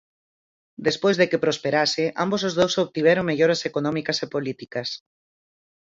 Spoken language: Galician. Despois de que prosperase, ambos os dous obtiveron melloras económicas e políticas.